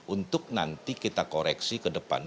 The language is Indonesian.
untuk nanti kita koreksi ke depan